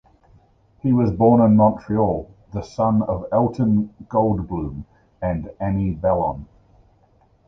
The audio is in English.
He was born in Montreal, the son of Alton Goldbloom and Annie Ballon.